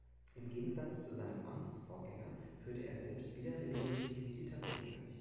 Im Gegensatz zu seinem Amtsvorgänger führte er selbst wieder regelmäßig Visitationen durch.